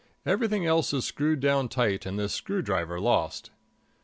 Everything else is screwed down tight and the screw driver lost.